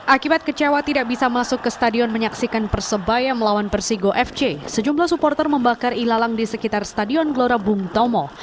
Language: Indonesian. akibat kecewa tidak bisa masuk ke stadion menyaksikan persebaya melawan persigo fc sejumlah supporter membakar ilalang di sekitar stadion gelora bung tomo